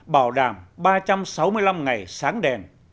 bảo đảm ba trăm sáu mươi năm ngày sáng đèn